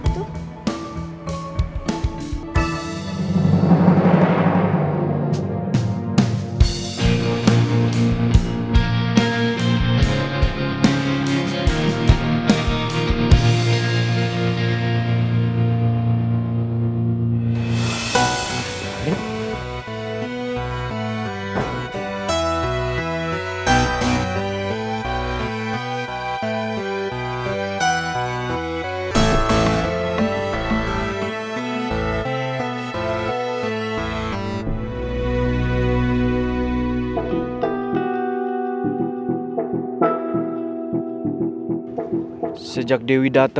ntar lo juga tau